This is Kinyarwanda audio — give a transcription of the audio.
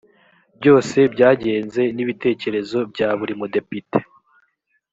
byose byagenze n ibitekerezo bya buri mudepite